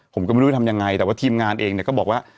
ผมก็ไม่รู้จะทำยังไงแต่ว่าทีมงานเองเนี่ยก็บอกว่า